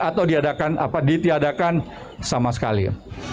atau ditiadakan sama sekali